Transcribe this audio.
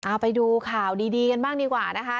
เอาไปดูข่าวดีกันบ้างดีกว่านะคะ